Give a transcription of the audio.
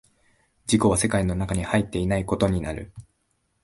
自己は世界の中に入っていないことになる。